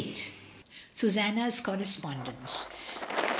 Susanna's correspondence.